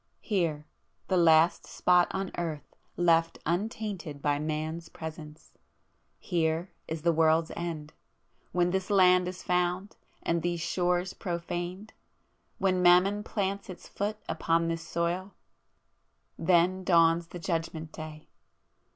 —here, the last spot on earth left untainted by Man's presence! Here is the world's end!—when this land is found, and these shores profaned,—when Mammon plants its foot upon this soil,—then dawns the Judgment Day!